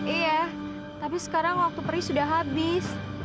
iya tapi sekarang waktu perih sudah habis